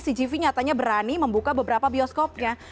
cgv nyatanya berani membuka beberapa bioskopnya